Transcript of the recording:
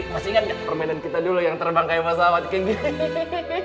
masih ingat gak permainan kita dulu yang terbang kayak mas amat kayak gini